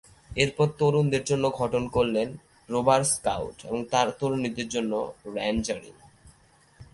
এরপর তরুণদের জন্য গঠন করলেন ‘রোভার স্কাউট’ এবং তরুণীদের জন্য ‘রেঞ্জারিং’।